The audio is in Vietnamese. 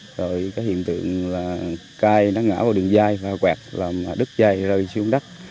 rồi cái hiện tượng là cai nó ngã vào đường dây quẹt làm đứt dây rơi xuống đất